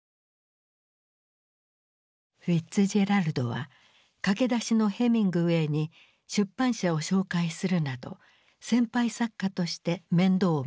フィッツジェラルドは駆け出しのヘミングウェイに出版社を紹介するなど先輩作家として面倒を見ていた。